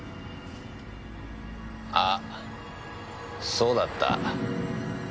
あそうだった。